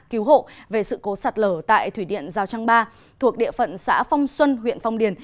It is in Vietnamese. cứu hộ về sự cố sạt lở tại thủy điện giao trang ba thuộc địa phận xã phong xuân huyện phong điền